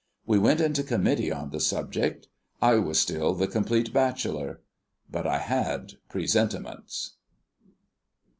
We went into committee on the subject. I was still the Compleat Bachelor. But I had presentiments.